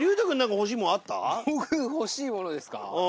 僕欲しいものですか？